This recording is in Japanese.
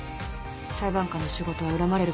裁判官の仕事は恨まれることもある。